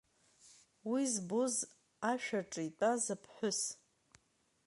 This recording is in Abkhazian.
Уи збоз ашә аҿы итәаз аԥҳәыс…